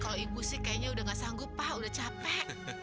kalau ibu sih kayaknya sudah tidak sanggup pak sudah capek